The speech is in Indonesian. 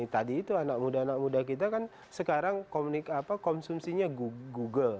tadi itu anak muda anak muda kita kan sekarang konsumsinya google